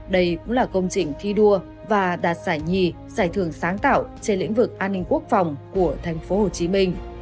đây cũng là công trình thi đua và đạt giải nhì giải thưởng sáng tạo trên lĩnh vực an ninh quốc phòng của tp hcm